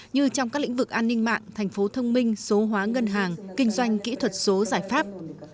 như trong các lĩnh vực an ninh mạng thành phố thông minh số hóa ngân hàng kinh doanh kỹ thuật số giải pháp